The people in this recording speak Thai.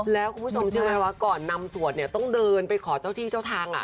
แล้วคุณผู้ชมเชื่อไหมว่าก่อนนำสวดเนี่ยต้องเดินไปขอเจ้าที่เจ้าทาง